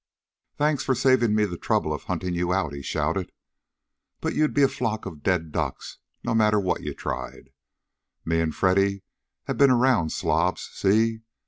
"Thanks for saving me the trouble of hunting you out!" he shouted. "But you'd be a flock of dead ducks, no matter what you tried. Me and Freddy have been around, slobs, see?